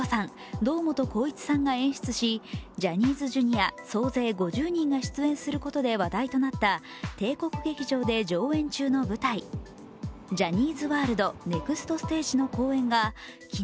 堂本光一さんが演出しジャニーズＪｒ．総勢５０人が出演することで話題となった帝国劇場で上演中の舞台、「ＪＯＨＮＮＹＳ’ＷｏｒｌｄＮｅｘｔＳｔａｇｅ」の公演が昨日、